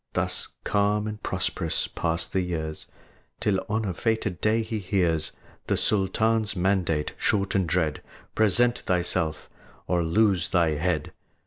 Thus calm and prosperous pass the years, Till on a fated day he hears The Sultan's mandate, short and dread, "Present thyself, or lose thy head!"